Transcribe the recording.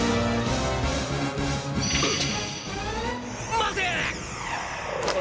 待て！